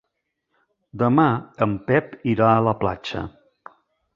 Demà en Pep irà a la platja.